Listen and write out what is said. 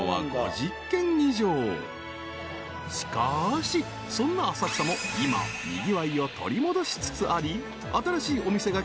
［しかしそんな浅草も今にぎわいを取り戻しつつあり］